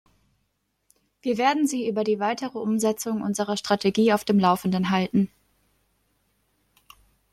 Wir werden Sie über die weitere Umsetzung unserer Strategie auf dem Laufenden halten.